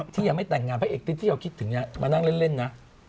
ที่ยังไม่แต่งงานพระเอกติ๊ดที่เราคิดถึงมานั่งเล่นนะ